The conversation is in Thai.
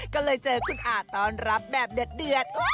ก็เลยเจอคุณอาต้อนรับแบบเดือด